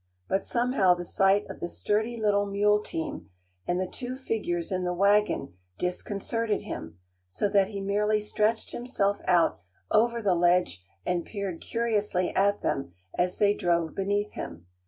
But somehow the sight of the sturdy little mule team and the two figures in the wagon disconcerted him, so that he merely stretched himself out over the ledge and peered curiously at them as they drove beneath him.